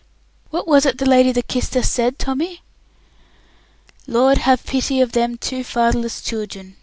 "What was it the lady that kissed us said, Tommy?" "Lord, have pity on them two fatherless children!"